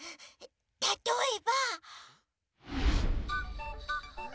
たとえば。